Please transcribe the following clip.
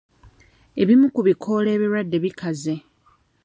Ebimu ku bikoola ebirwadde bikaze.